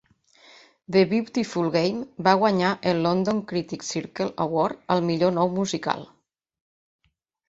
The Beautiful Game va guanyar el London Critics Circle Award al millor nou musical.